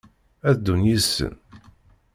Ad ddun yid-sen?